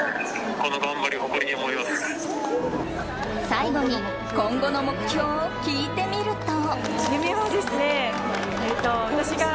最後に今後の目標を聞いてみると。